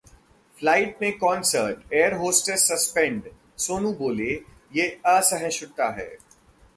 flight में concert air hostess suspend, Sonu बोले- ये असहिष्णुता है